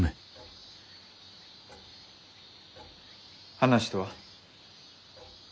話とは？